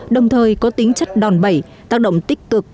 đòn bẩy tác động tích cực